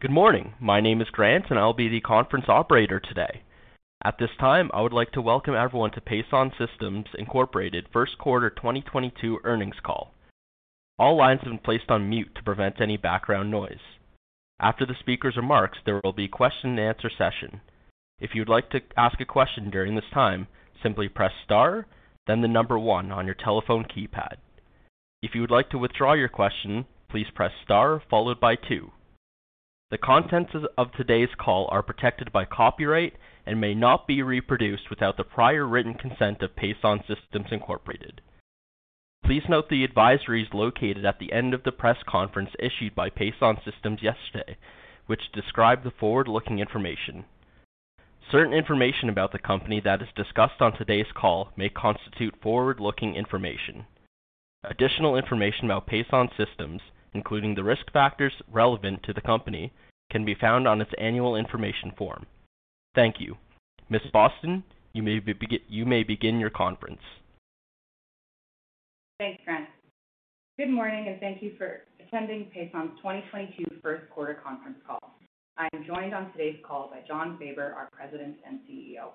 Good morning. My name is Grant, and I'll be the conference operator today. At this time, I would like to welcome everyone to Pason Systems Inc. first quarter 2022 earnings call. All lines have been placed on mute to prevent any background noise. After the speaker's remarks, there will be a question-and-answer session. If you'd like to ask a question during this time, simply press star, then the number 1 on your telephone keypad. If you would like to withdraw your question, please press star followed by 2. The contents of today's call are protected by copyright and may not be reproduced without the prior written consent of Pason Systems Inc. Please note the advisory is located at the end of the press release issued by Pason Systems yesterday, which describe the forward-looking information. Certain information about the company that is discussed on today's call may constitute forward-looking information. Additional information about Pason Systems, including the risk factors relevant to the company, can be found on its annual information form. Thank you. Ms. Boston, you may begin your conference. Thanks, Grant. Good morning, and thank you for attending Pason's 2022 first quarter conference call. I am joined on today's call by Jon Faber, our President and CEO.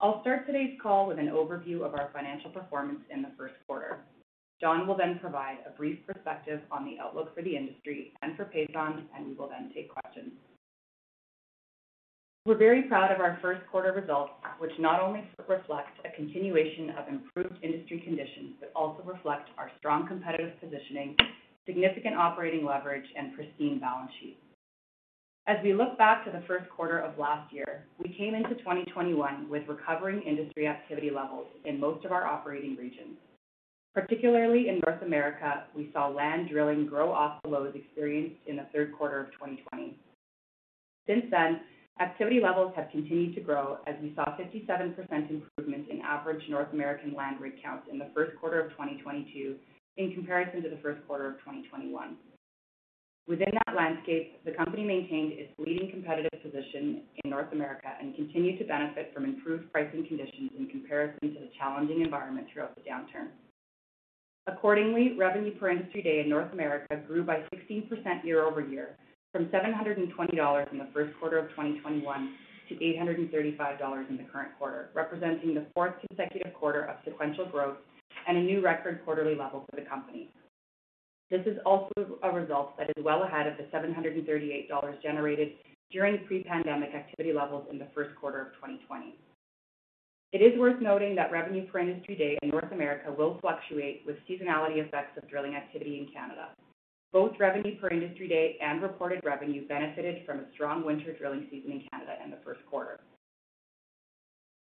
I'll start today's call with an overview of our financial performance in the first quarter. Jon will then provide a brief perspective on the outlook for the industry and for Pason, and we will then take questions. We're very proud of our first quarter results, which not only reflect a continuation of improved industry conditions, but also reflect our strong competitive positioning, significant operating leverage, and pristine balance sheet. As we look back to the first quarter of last year, we came into 2021 with recovering industry activity levels in most of our operating regions. Particularly in North America, we saw land drilling grow off the lows experienced in the third quarter of 2020. Since then, activity levels have continued to grow as we saw 57% improvements in average North American land rig counts in the first quarter of 2022 in comparison to the first quarter of 2021. Within that landscape, the company maintained its leading competitive position in North America and continued to benefit from improved pricing conditions in comparison to the challenging environment throughout the downturn. Accordingly, revenue per industry day in North America grew by 16% year-over-year from $720 in the first quarter of 2021 to $835 in the current quarter, representing the fourth consecutive quarter of sequential growth and a new record quarterly level for the company. This is also a result that is well ahead of the $738 generated during pre-pandemic activity levels in the first quarter of 2020. It is worth noting that revenue per industry day in North America will fluctuate with seasonality effects of drilling activity in Canada. Both revenue per industry day and reported revenue benefited from a strong winter drilling season in Canada in the first quarter.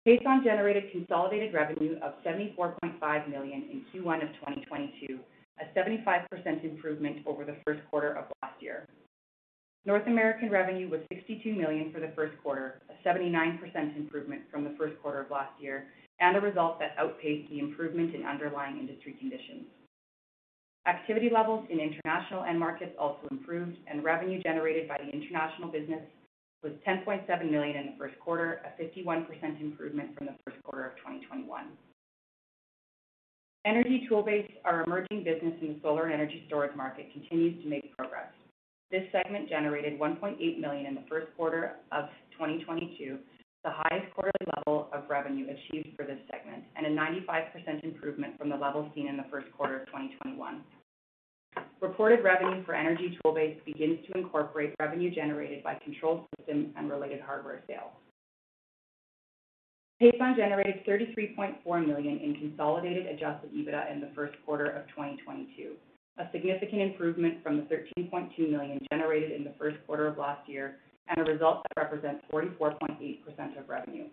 Pason generated consolidated revenue of 74.5 million in Q1 of 2022, a 75% improvement over the first quarter of last year. North American revenue was 62 million for the first quarter, a 79% improvement from the first quarter of last year, and a result that outpaced the improvement in underlying industry conditions. Activity levels in international end markets also improved, and revenue generated by the international business was 10.7 million in the first quarter, a 51% improvement from the first quarter of 2021. Energy Toolbase, our emerging business in the solar and energy storage market, continues to make progress. This segment generated 1.8 million in the first quarter of 2022, the highest quarterly level of revenue achieved for this segment and a 95% improvement from the level seen in the first quarter of 2021. Reported revenue for Energy Toolbase begins to incorporate revenue generated by controlled systems and related hardware sales. Pason generated 33.4 million in consolidated adjusted EBITDA in the first quarter of 2022, a significant improvement from the 13.2 million generated in the first quarter of last year, and a result that represents 44.8% of revenue.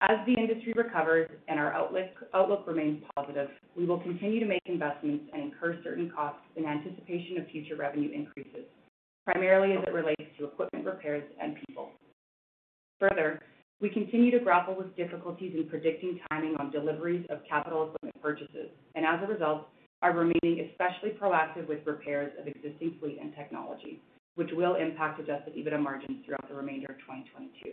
As the industry recovers and our outlook remains positive, we will continue to make investments and incur certain costs in anticipation of future revenue increases, primarily as it relates to equipment repairs and people. Further, we continue to grapple with difficulties in predicting timing on deliveries of capital equipment purchases and as a result, are remaining especially proactive with repairs of existing fleet and technology, which will impact adjusted EBITDA margins throughout the remainder of 2022.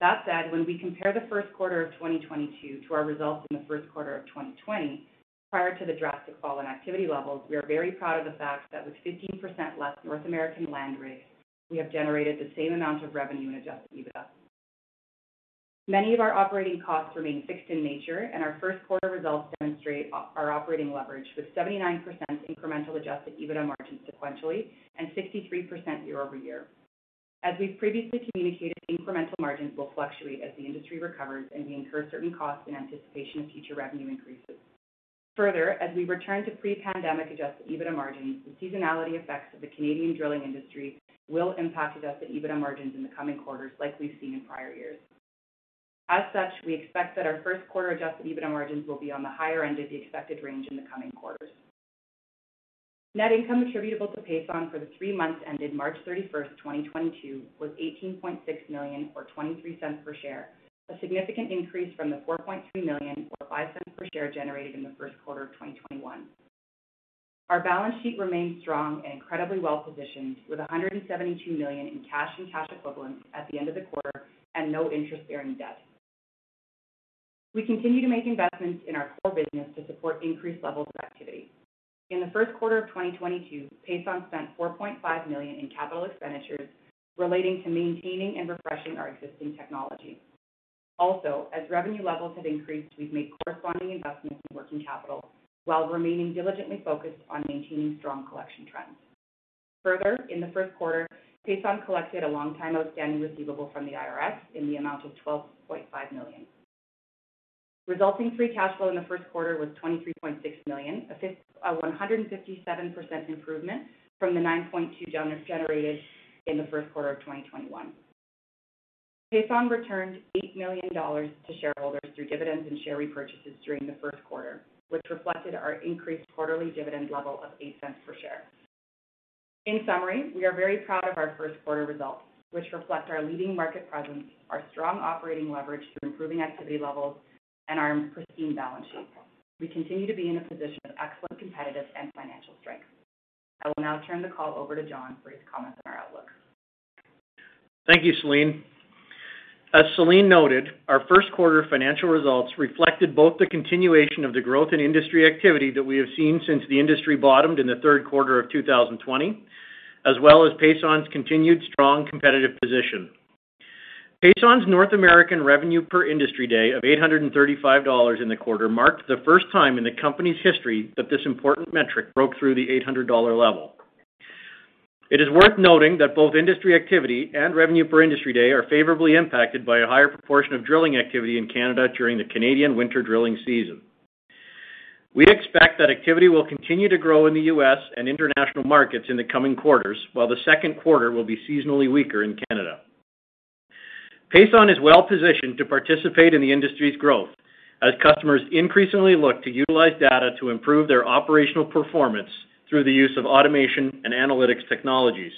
That said, when we compare the first quarter of 2022 to our results in the first quarter of 2020, prior to the drastic fall in activity levels, we are very proud of the fact that with 15% less North American land rigs, we have generated the same amount of revenue and adjusted EBITDA. Many of our operating costs remain fixed in nature, and our first quarter results demonstrate our operating leverage with 79% incremental adjusted EBITDA margins sequentially and 63% year-over-year. As we've previously communicated, incremental margins will fluctuate as the industry recovers and we incur certain costs in anticipation of future revenue increases. Further, as we return to pre-pandemic adjusted EBITDA margins, the seasonality effects of the Canadian drilling industry will impact adjusted EBITDA margins in the coming quarters like we've seen in prior years. As such, we expect that our first quarter adjusted EBITDA margins will be on the higher end of the expected range in the coming quarters. Net income attributable to Pason for the three months ended March 31, 2022 was 18.6 million or 0.23 per share, a significant increase from the 4.3 million or 0.05 per share generated in the first quarter of 2021. Our balance sheet remains strong and incredibly well-positioned with 172 million in cash and cash equivalents at the end of the quarter and no interest-bearing debt. We continue to make investments in our core business to support increased levels of activity. In the first quarter of 2022, Pason spent 4.5 million in capital expenditures relating to maintaining and refreshing our existing technology. Also, as revenue levels have increased, we've made corresponding investments in working capital while remaining diligently focused on maintaining strong collection trends. Further, in the first quarter, Pason collected a long time outstanding receivable from the IRS in the amount of 12.5 million. Resulting free cash flow in the first quarter was 23.6 million, a 157% improvement from the 9.2 million generated in the first quarter of 2021. Pason returned 8 million dollars to shareholders through dividends and share repurchases during the first quarter, which reflected our increased quarterly dividend level of 0.08 per share. In summary, we are very proud of our first quarter results, which reflect our leading market presence, our strong operating leverage through improving activity levels, and our pristine balance sheet. We continue to be in a position of excellent competitive and financial strength. I will now turn the call over to Jon for his comments on our outlook. Thank you, Celine. As Celine noted, our first quarter financial results reflected both the continuation of the growth in industry activity that we have seen since the industry bottomed in the third quarter of 2020, as well as Pason's continued strong competitive position. Pason's North American revenue per industry day of $835 in the quarter marked the first time in the company's history that this important metric broke through the $800 level. It is worth noting that both industry activity and revenue per industry day are favorably impacted by a higher proportion of drilling activity in Canada during the Canadian winter drilling season. We expect that activity will continue to grow in the U.S. and international markets in the coming quarters, while the second quarter will be seasonally weaker in Canada. Pason is well-positioned to participate in the industry's growth as customers increasingly look to utilize data to improve their operational performance through the use of automation and analytics technologies.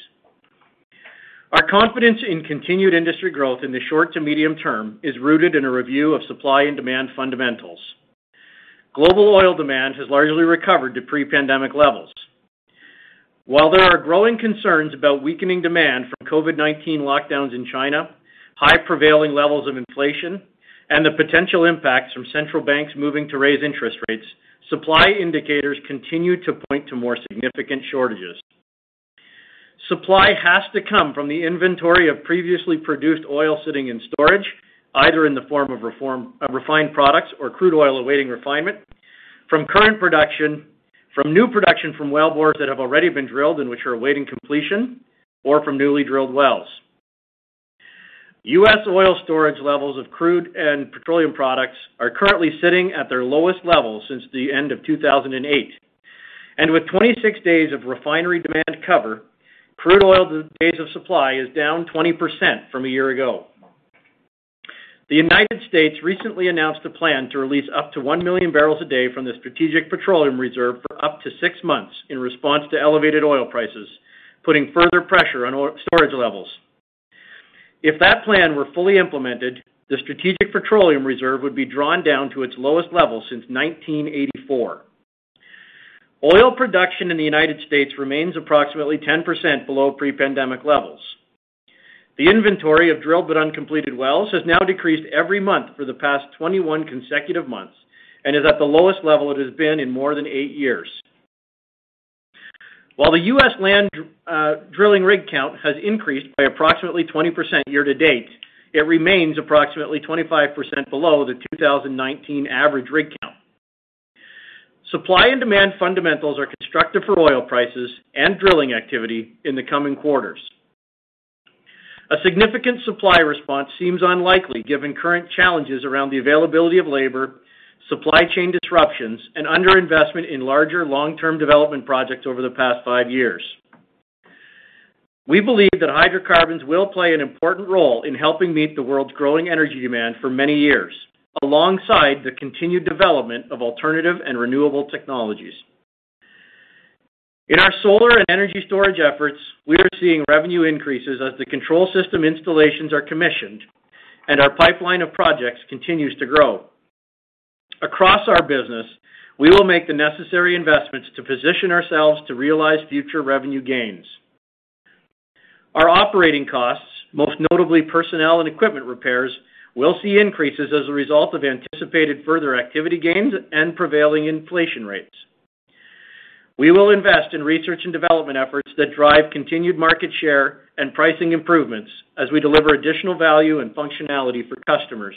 Our confidence in continued industry growth in the short to medium term is rooted in a review of supply and demand fundamentals. Global oil demand has largely recovered to pre-pandemic levels. While there are growing concerns about weakening demand from COVID-19 lockdowns in China, high prevailing levels of inflation, and the potential impacts from central banks moving to raise interest rates, supply indicators continue to point to more significant shortages. Supply has to come from the inventory of previously produced oil sitting in storage, either in the form of refined products or crude oil awaiting refinement, from current production, from new production from wellbores that have already been drilled and which are awaiting completion, or from newly drilled wells. U.S. oil storage levels of crude and petroleum products are currently sitting at their lowest levels since the end of 2008. With 26 days of refinery demand cover, crude oil days of supply is down 20% from a year ago. The United States recently announced a plan to release up to 1 million barrels a day from the Strategic Petroleum Reserve for up to 6 months in response to elevated oil prices, putting further pressure on oil storage levels. If that plan were fully implemented, the Strategic Petroleum Reserve would be drawn down to its lowest level since 1984. Oil production in the United States remains approximately 10% below pre-pandemic levels. The inventory of drilled but uncompleted wells has now decreased every month for the past 21 consecutive months and is at the lowest level it has been in more than 8 years. While the U.S. land drilling rig count has increased by approximately 20% year to date, it remains approximately 25% below the 2019 average rig count. Supply and demand fundamentals are constructive for oil prices and drilling activity in the coming quarters. A significant supply response seems unlikely, given current challenges around the availability of labor, supply chain disruptions, and underinvestment in larger long-term development projects over the past five years. We believe that hydrocarbons will play an important role in helping meet the world's growing energy demand for many years, alongside the continued development of alternative and renewable technologies. In our solar and energy storage efforts, we are seeing revenue increases as the control system installations are commissioned and our pipeline of projects continues to grow. Across our business, we will make the necessary investments to position ourselves to realize future revenue gains. Our operating costs, most notably personnel and equipment repairs, will see increases as a result of anticipated further activity gains and prevailing inflation rates. We will invest in research and development efforts that drive continued market share and pricing improvements as we deliver additional value and functionality for customers.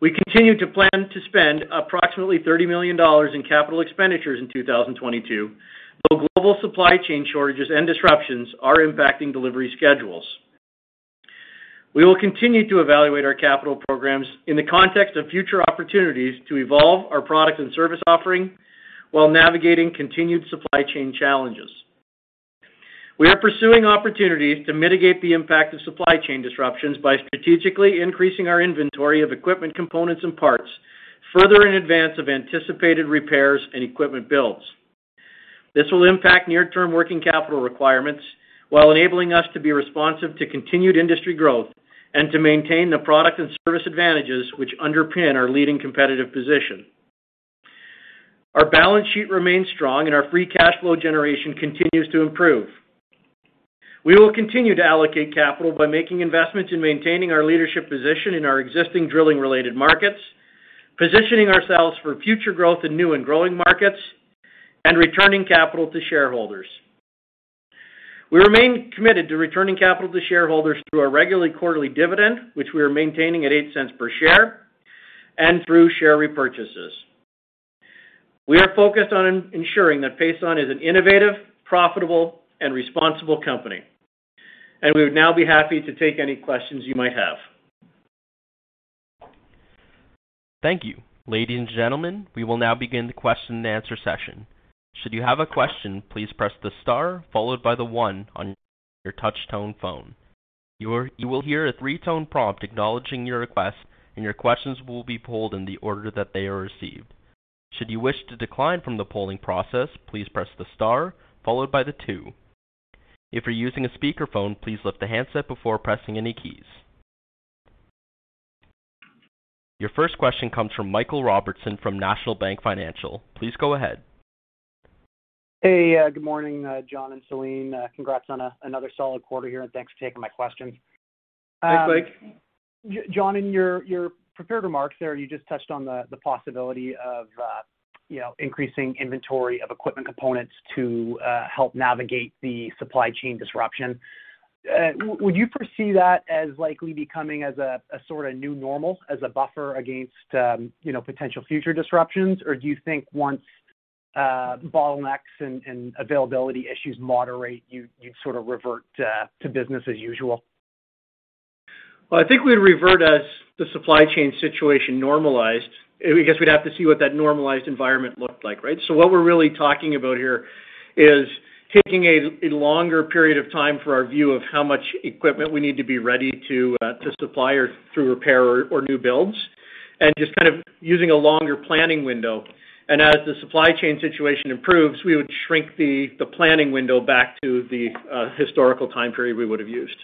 We continue to plan to spend approximately 30 million dollars in capital expenditures in 2022, though global supply chain shortages and disruptions are impacting delivery schedules. We will continue to evaluate our capital programs in the context of future opportunities to evolve our product and service offering while navigating continued supply chain challenges. We are pursuing opportunities to mitigate the impact of supply chain disruptions by strategically increasing our inventory of equipment components and parts further in advance of anticipated repairs and equipment builds. This will impact near-term working capital requirements while enabling us to be responsive to continued industry growth and to maintain the product and service advantages which underpin our leading competitive position. Our balance sheet remains strong and our free cash flow generation continues to improve. We will continue to allocate capital by making investments in maintaining our leadership position in our existing drilling related markets, positioning ourselves for future growth in new and growing markets, and returning capital to shareholders. We remain committed to returning capital to shareholders through our regular quarterly dividend, which we are maintaining at 0.08 per share, and through share repurchases. We are focused on ensuring that Pason is an innovative, profitable, and responsible company. We would now be happy to take any questions you might have. Thank you. Ladies and gentlemen, we will now begin the question and answer session. Should you have a question, please press the star followed by the one on your touch tone phone. You will hear a three-tone prompt acknowledging your request, and your questions will be polled in the order that they are received. Should you wish to decline from the polling process, please press the star followed by the two. If you're using a speakerphone, please lift the handset before pressing any keys. Your first question comes from Michael Storry-Robertson from National Bank Financial. Please go ahead. Hey, good morning, Jon and Celine. Congrats on another solid quarter here, and thanks for taking my question. Thanks, Mike. Jon, in your prepared remarks there, you just touched on the possibility of, you know, increasing inventory of equipment components to help navigate the supply chain disruption. Would you foresee that as likely becoming a sort of new normal as a buffer against, potential future disruptions? Or do you think once bottlenecks and availability issues moderate, you'd sort of revert to business as usual? Well, I think we'd revert as the supply chain situation normalized. I guess we'd have to see what that normalized environment looked like, right? What we're really talking about here is taking a longer period of time for our view of how much equipment we need to be ready to supply or through repair or new builds, and just kind of using a longer planning window. As the supply chain situation improves, we would shrink the planning window back to the historical time period we would have used.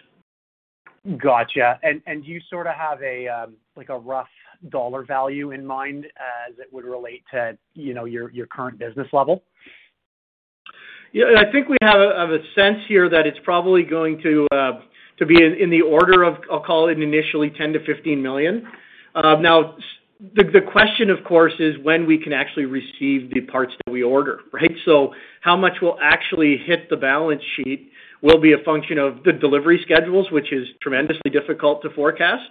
Got you. Do you sort of have a like a rough dollar value in mind as it would relate to, you know, your current business level? Yeah. I think we have a sense here that it's probably going to be in the order of, I'll call it initially 10 million-15 million. The question of course, is when we can actually receive the parts that we order, right? How much will actually hit the balance sheet will be a function of the delivery schedules, which is tremendously difficult to forecast.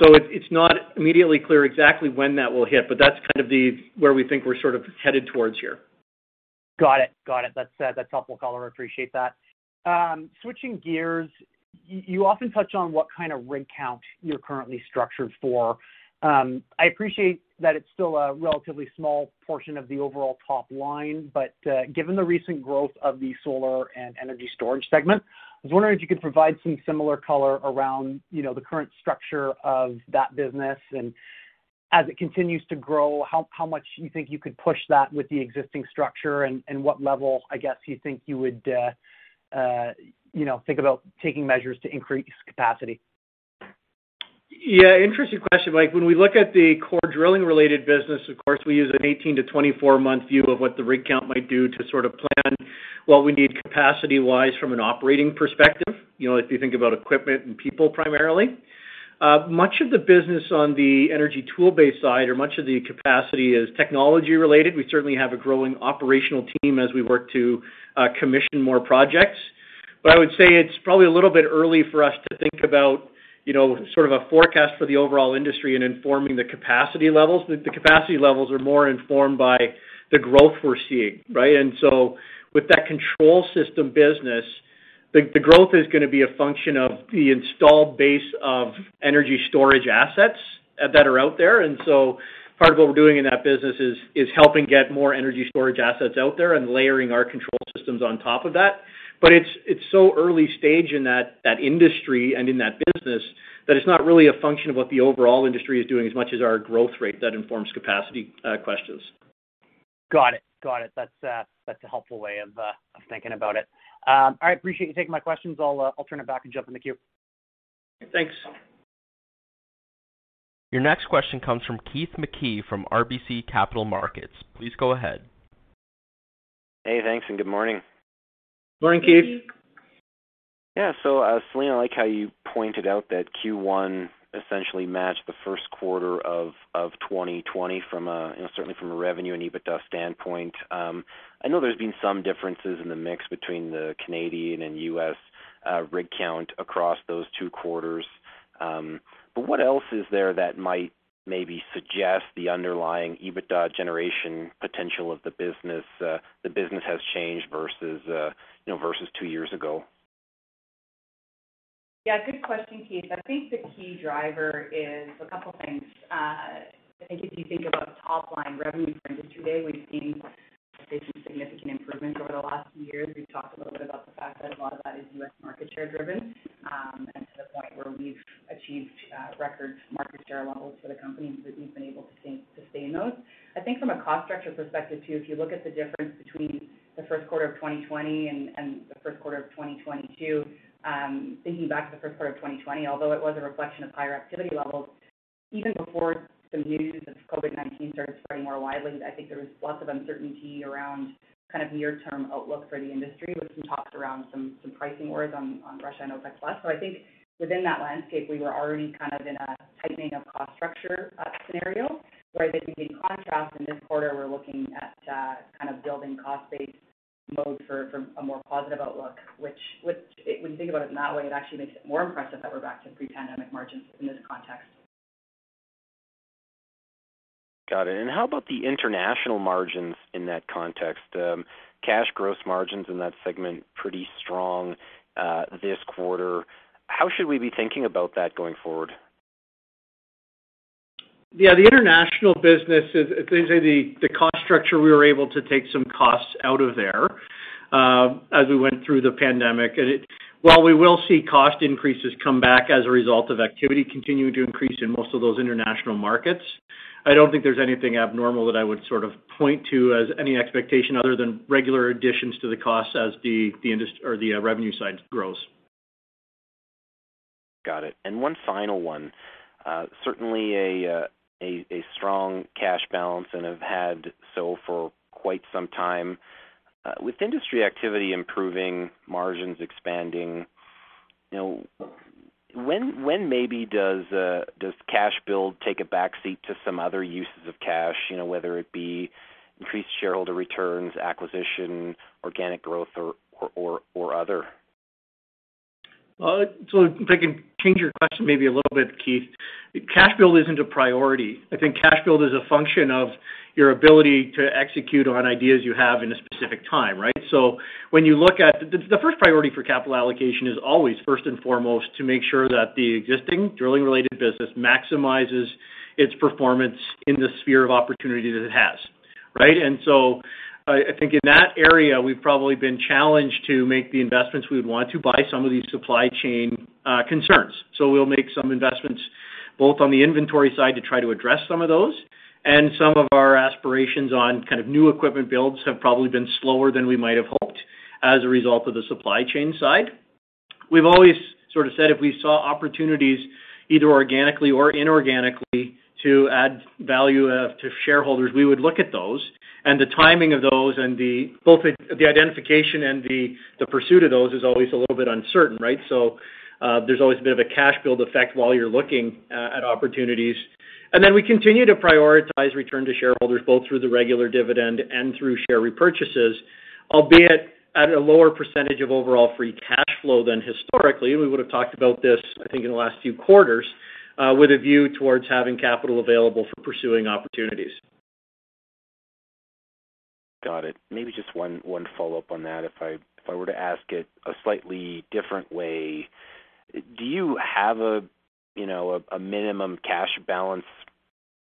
It's not immediately clear exactly when that will hit, but that's kind of where we think we're sort of headed towards here. Got it. That's helpful color. Appreciate that. Switching gears, you often touch on what kind of rig count you're currently structured for. I appreciate that it's still a relatively small portion of the overall top line, but given the recent growth of the solar and energy storage segment, I was wondering if you could provide some similar color around, the current structure of that business. As it continues to grow, how much do you think you could push that with the existing structure and what level, I guess, you think you would, think about taking measures to increase capacity? Yeah. Interesting question, Mike. When we look at the core drilling related business, of course, we use an 18-24 month view of what the rig count might do to sort of plan what we need capacity-wise from an operating perspective, if you think about equipment and people primarily. Much of the business on the Energy Toolbase side or much of the capacity is technology related. We certainly have a growing operational team as we work to commission more projects. I would say it's probably a little bit early for us to think about, sort of a forecast for the overall industry in informing the capacity levels. The capacity levels are more informed by the growth we're seeing, right? With that control system business, the growth is gonna be a function of the installed base of energy storage assets that are out there. Part of what we're doing in that business is helping get more energy storage assets out there and layering our control systems on top of that. It's so early stage in that industry and in that business that it's not really a function of what the overall industry is doing as much as our growth rate that informs capacity questions. Got it. That's a helpful way of thinking about it. All right. Appreciate you taking my questions. I'll turn it back and jump in the queue. Thanks. Your next question comes from Keith Mackey from RBC Capital Markets. Please go ahead. Hey, thanks, and good morning. Morning, Keith. Morning. Yeah. Celine, I like how you pointed out that Q1 essentially matched the first quarter of 2020 from, you know, certainly from a revenue and EBITDA standpoint. I know there's been some differences in the mix between the Canadian and U.S. rig count across those two quarters, but what else is there that might maybe suggest the underlying EBITDA generation potential of the business, the business has changed versus, you know, versus two years ago? Yeah, good question, Keith. I think the key driver is a couple things. I think if you think about top-line revenue trend of today, we've seen significant improvements over the last few years. We've talked a little bit about the fact that a lot of that is U.S. market share driven, and to the point where we've achieved record market share levels for the company, and we've been able to sustain those. I think from a cost structure perspective, too, if you look at the difference between the first quarter of 2020 and the first quarter of 2022, thinking back to the first quarter of 2020, although it was a reflection of higher activity levels. Even before the news of COVID-19 started spreading more widely, I think there was lots of uncertainty around kind of near-term outlook for the industry, with some talks around some pricing wars on Russia and OPEC+. I think within that landscape, we were already kind of in a tightening of cost structure scenario, where I think in contrast, in this quarter, we're looking at kind of building cost-based mode for a more positive outlook. Which, when you think about it in that way, it actually makes it more impressive that we're back to pre-pandemic margins in this context. Got it. How about the international margins in that context? Gross margins in that segment pretty strong, this quarter. How should we be thinking about that going forward? Yeah, the international business is, as I say, the cost structure, we were able to take some costs out of there as we went through the pandemic. It, while we will see cost increases come back as a result of activity continuing to increase in most of those international markets, I don't think there's anything abnormal that I would sort of point to as any expectation other than regular additions to the cost as the industry or the revenue side grows. Got it. One final one. Certainly a strong cash balance and have had so for quite some time. With industry activity improving, margins expanding, you know, when maybe does cash build take a backseat to some other uses of cash, whether it be increased shareholder returns, acquisition, organic growth, or other? Well, if I can change your question maybe a little bit, Keith. Cash build isn't a priority. I think cash build is a function of your ability to execute on ideas you have in a specific time, right? When you look at the first priority for capital allocation is always, first and foremost, to make sure that the existing drilling-related business maximizes its performance in the sphere of opportunity that it has, right? I think in that area, we've probably been challenged to make the investments we would want to by some of these supply chain concerns. We'll make some investments both on the inventory side to try to address some of those. Some of our aspirations on kind of new equipment builds have probably been slower than we might have hoped as a result of the supply chain side. We've always sort of said if we saw opportunities, either organically or inorganically, to add value to shareholders, we would look at those. The timing of those and both the identification and the pursuit of those is always a little bit uncertain, right? There's always a bit of a cash build effect while you're looking at opportunities. We continue to prioritize return to shareholders, both through the regular dividend and through share repurchases, albeit at a lower percentage of overall Free Cash Flow than historically. We would've talked about this, I think, in the last few quarters, with a view towards having capital available for pursuing opportunities. Got it. Maybe just one follow-up on that, if I were to ask it a slightly different way. Do you have a minimum cash balance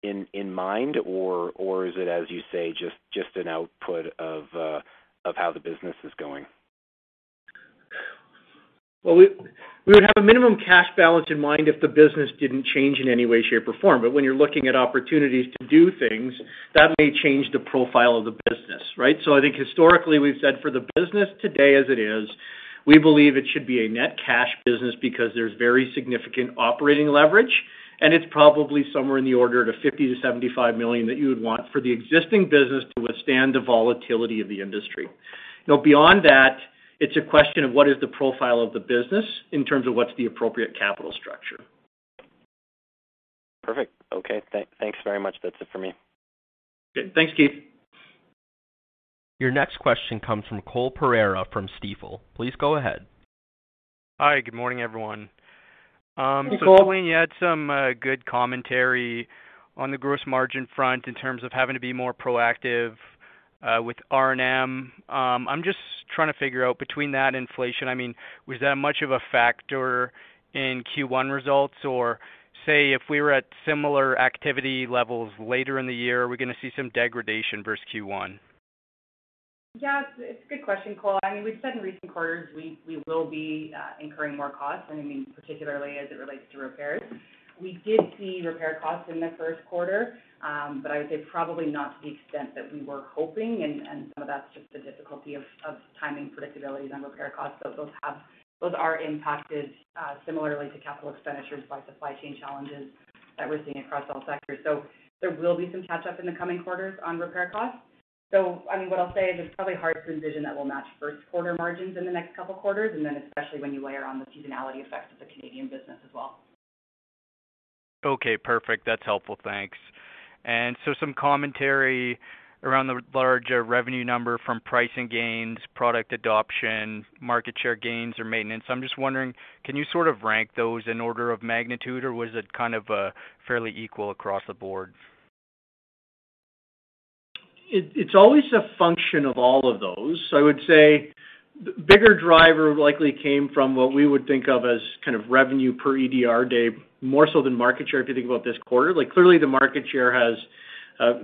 in mind? Or is it, as you say, just an output of how the business is going? Well, we would have a minimum cash balance in mind if the business didn't change in any way, shape, or form. When you're looking at opportunities to do things, that may change the profile of the business, right? I think historically, we've said for the business today as it is, we believe it should be a net cash business because there's very significant operating leverage, and it's probably somewhere in the order of 50 million-75 million that you would want for the existing business to withstand the volatility of the industry. Now, beyond that, it's a question of what is the profile of the business in terms of what's the appropriate capital structure. Perfect. Okay. Thanks very much. That's it for me. Good. Thanks, Keith. Your next question comes from Cole Pereira from Stifel. Please go ahead. Hi. Good morning, everyone. Celine, you had some good commentary on the gross margin front in terms of having to be more proactive with R&M. I'm just trying to figure out between that inflation, I mean, was that much of a factor in Q1 results? Or, say, if we were at similar activity levels later in the year, are we gonna see some degradation versus Q1? Yeah, it's a good question, Cole. I mean, we've said in recent quarters we will be incurring more costs, and I mean, particularly as it relates to repairs. We did see repair costs in the first quarter, but I would say probably not to the extent that we were hoping, and some of that's just the difficulty of timing predictability on repair costs. Those are impacted similarly to capital expenditures by supply chain challenges that we're seeing across all sectors. So there will be some catch-up in the coming quarters on repair costs. I mean, what I'll say is it's probably hard to envision that we'll match first quarter margins in the next couple quarters, and then especially when you layer on the seasonality effects of the Canadian business as well. Okay. Perfect. That's helpful. Thanks. Some commentary around the larger revenue number from pricing gains, product adoption, market share gains or maintenance. I'm just wondering, can you sort of rank those in order of magnitude, or was it kind of, fairly equal across the board? It's always a function of all of those. I would say the bigger driver likely came from what we would think of as kind of revenue per EDR day, more so than market share, if you think about this quarter. Like, clearly the market share has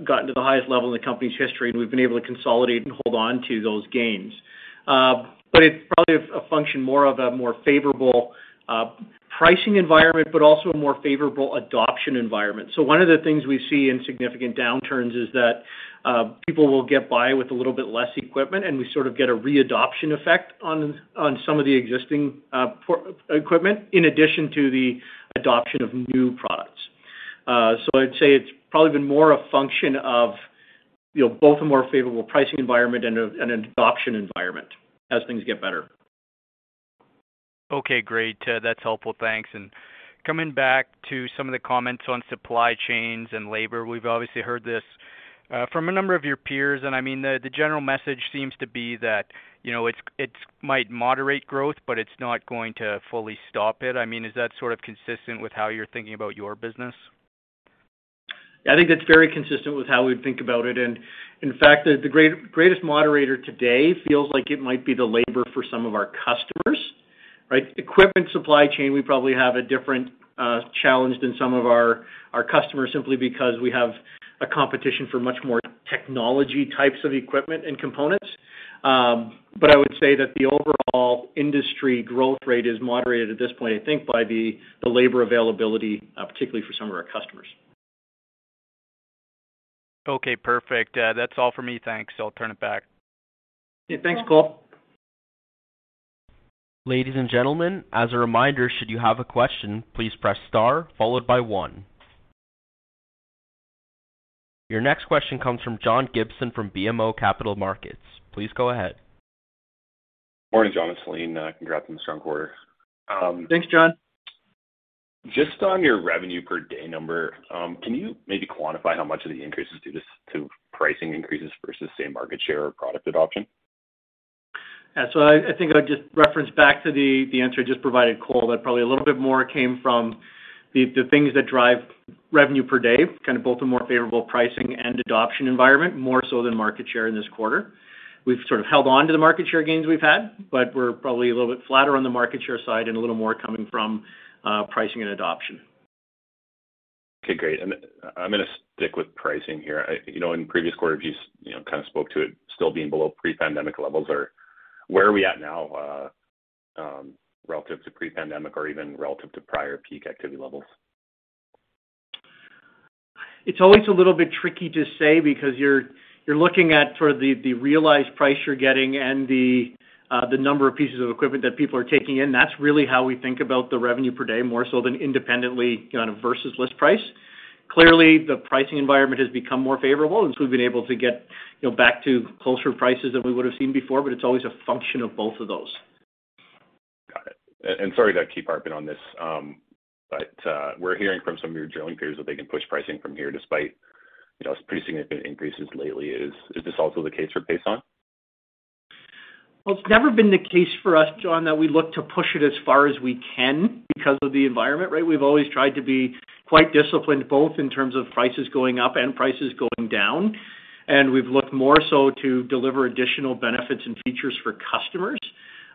gotten to the highest level in the company's history, and we've been able to consolidate and hold on to those gains. It's probably a function more of a more favorable pricing environment, but also a more favorable adoption environment. One of the things we see in significant downturns is that people will get by with a little bit less equipment, and we sort of get a re-adoption effect on some of the existing equipment, in addition to the adoption of new products. I'd say it's probably been more a function of you know, both a more favorable pricing environment and an adoption environment as things get better. Okay, great. That's helpful. Thanks. Coming back to some of the comments on supply chains and labor, we've obviously heard this from a number of your peers, and I mean, the general message seems to be that, you know, it might moderate growth, but it's not going to fully stop it. I mean, is that sort of consistent with how you're thinking about your business? I think that's very consistent with how we think about it. In fact, the greatest moderator today feels like it might be the labor for some of our customers, right? Equipment supply chain, we probably have a different challenge than some of our customers simply because we have a competition for much more technology types of equipment and components. I would say that the overall industry growth rate is moderated at this point, I think by the labor availability, particularly for some of our customers. Okay, perfect. That's all for me. Thanks. I'll turn it back. Yeah, thanks, Cole. Ladies and gentlemen, as a reminder, should you have a question, please press star followed by one. Your next question comes from John Gibson from BMO Capital Markets. Please go ahead. Morning, Jon and Celine. Congrats on the strong quarter. Thanks, Jon. Just on your revenue per day number, can you maybe quantify how much of the increase is due to pricing increases versus say, market share or product adoption? Yeah. I think I would just reference back to the answer I just provided, Cole, that probably a little bit more came from the things that drive revenue per day, kind of both a more favorable pricing and adoption environment, more so than market share in this quarter. We've sort of held on to the market share gains we've had, but we're probably a little bit flatter on the market share side and a little more coming from pricing and adoption. Okay, great. I'm gonna stick with pricing here. In previous quarters, you know, kind of spoke to it still being below pre-pandemic levels. Where are we at now, relative to pre-pandemic or even relative to prior peak activity levels? It's always a little bit tricky to say because you're looking at sort of the realized price you're getting and the number of pieces of equipment that people are taking in. That's really how we think about the revenue per day, more so than independently, you know, versus list price. Clearly, the pricing environment has become more favorable, and so we've been able to get, back to closer prices than we would've seen before, but it's always a function of both of those. Got it. Sorry to keep harping on this, we're hearing from some of your drilling peers that they can push pricing from here despite, you know, some pretty significant increases lately. Is this also the case for Pason? Well, it's never been the case for us, Jon, that we look to push it as far as we can because of the environment, right? We've always tried to be quite disciplined, both in terms of prices going up and prices going down, and we've looked more so to deliver additional benefits and features for customers.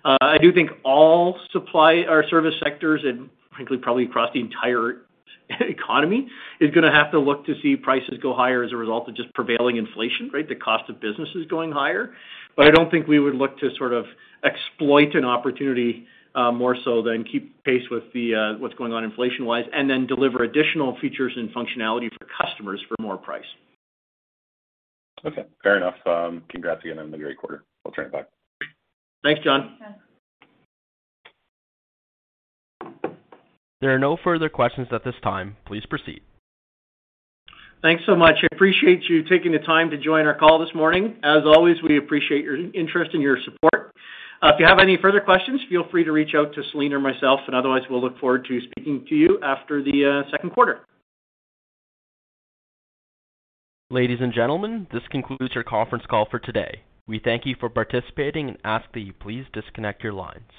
I do think all supply or service sectors, and frankly probably across the entire economy, is gonna have to look to see prices go higher as a result of just prevailing inflation, right? The cost of business is going higher. I don't think we would look to sort of exploit an opportunity, more so than keep pace with the, what's going on inflation-wise, and then deliver additional features and functionality for customers for more price. Okay. Fair enough. Congrats again on the great quarter. I'll turn it back. Thanks, Jon. There are no further questions at this time. Please proceed. Thanks so much. I appreciate you taking the time to join our call this morning. As always, we appreciate your interest and your support. If you have any further questions, feel free to reach out to Celine or myself, and otherwise, we'll look forward to speaking to you after the second quarter. Ladies and gentlemen, this concludes your conference call for today. We thank you for participating and ask that you please disconnect your lines.